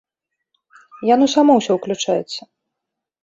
Яно само ўсё ўключаецца.